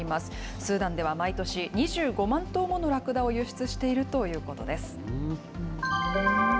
スーダンでは毎年、２５万頭ものラクダを輸出しているということです。